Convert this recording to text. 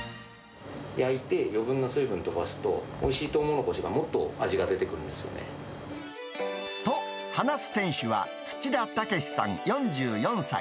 焼いて、余分な水分飛ばすとおいしいとうもろこしが、もっと味が出てくると、話す店主は、土田剛さん４４歳。